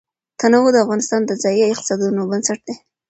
تنوع د افغانستان د ځایي اقتصادونو بنسټ دی.